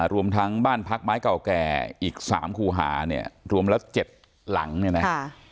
รวมทั้งบ้านพักไม้เก่าแก่อีก๓คู่หาเนี่ยรวมแล้ว๗หลังเนี่ยนะ